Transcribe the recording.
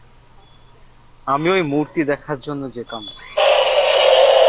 আমি ঐ মূর্তি দেখার জন্যে যেতাম।